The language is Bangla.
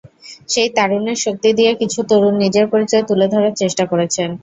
সেই তারুণ্যের শক্তি দিয়ে কিছু তরুণ নিজের পরিচয় তুলে ধরার চেষ্টা করেছেন।